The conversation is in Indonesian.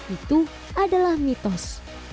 itu adalah mitos